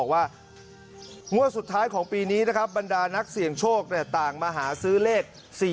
ว่างวดสุดท้ายของปีนี้นะครับบรรดานักเสี่ยงโชคต่างมาหาซื้อเลข๔๔